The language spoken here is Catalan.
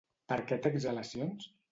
Per què té exhalacions?